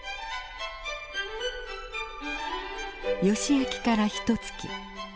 ヨシ焼きからひとつき。